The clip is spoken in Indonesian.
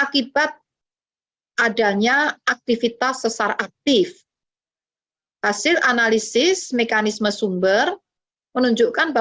kepala bmkg dwi korita karnawati menyebut gempa ini merupakan gempa yang berpotensi menimbulkan tsunami